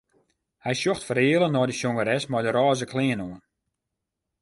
Hy sjocht fereale nei de sjongeres mei de rôze klean oan.